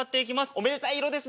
おめでたい色ですね。